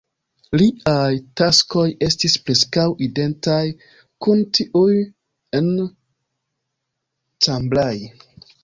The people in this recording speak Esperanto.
Liaj taskoj estis preskaŭ identaj kun tiuj en Cambrai.